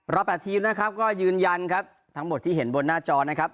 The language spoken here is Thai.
รอบ๘ทีมก็ยืนยันทั้งหมดที่เห็นบนหน้าจอนะครับ